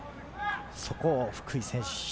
そこを福井選手